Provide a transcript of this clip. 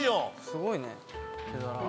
すごいね。